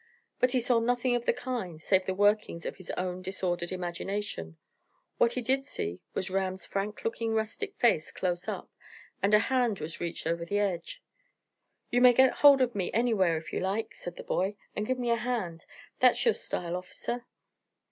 But he saw nothing of the kind, save in the workings of his own disordered imagination. What he did see was Ram's frank looking rustic face close up, and a hand was reached over the edge. "You may get hold of me anywhere if you like," said the boy, "and give a hand. That's your style, orficer!